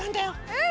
うん！